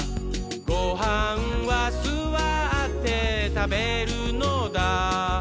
「ごはんはすわってたべるのだ」